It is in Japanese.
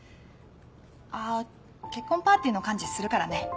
あっ結婚パーティーの幹事するからね。